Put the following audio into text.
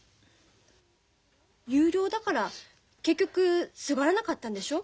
有料だから結局すがらなかったんでしょ？